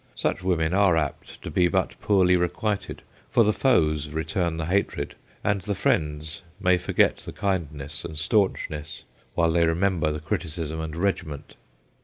Such women are apt to be but poorly requited, for the foes return the hatred, and the friends may forget the kind ness and staunchness while they remember THE VIOLETTA 117 the criticism and regiment.